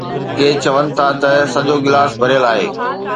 ڪي چون ٿا ته سڄو گلاس ڀريل آهي.